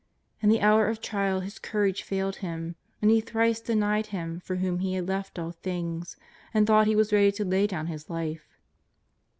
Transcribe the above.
In the hour of trial his courage failed him, and he thrice denied Him for whom he had left all things and thought he was ready to lay down his life.